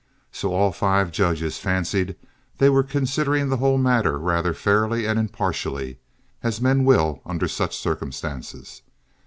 So all five judges fancied they were considering the whole matter rather fairly and impartially, as men will under such circumstances.